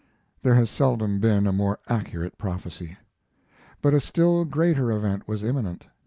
There has seldom been a more accurate prophecy. But a still greater event was imminent.